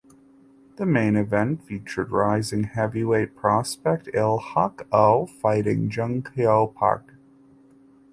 The main event featured rising heavyweight prospect Il Hak Oh fighting Jung Kyo Park.